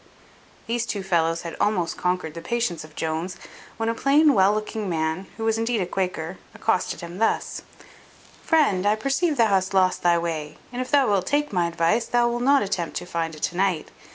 These two fellows had almost conquered the patience of Jones, when a plain well looking man (who was indeed a Quaker) accosted him thus: "Friend, I perceive thou hast lost thy way; and if thou wilt take my advice, thou wilt not attempt to find it to night.